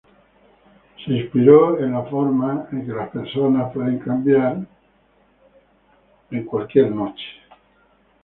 Fue inspirado por la forma en personalidades pueden cambiar en cualquier noche dada.